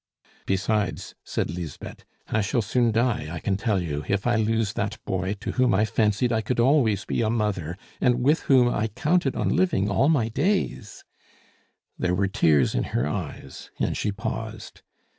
"Besides," said Lisbeth, "I shall soon die, I can tell you, if I lose that boy to whom I fancied I could always be a mother, and with whom I counted on living all my days " There were tears in her eyes, and she paused.